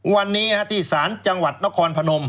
วันนี้ที่ศาลจังหวัดนครพนม